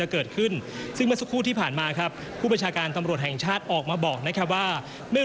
ก็คือ๒๕พลิกเป็นแรงหมาย